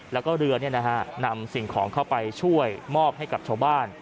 แล้วก็เรือนำสิ่งของเข้าไปช่วยมอบให้กับชาวบ้าน